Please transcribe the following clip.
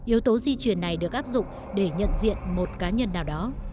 yếu tố di truyền này được áp dụng để nhận diện một cá nhân nào đó